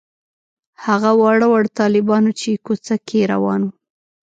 هغه واړه واړه طالبان وو چې کوڅه کې روان وو.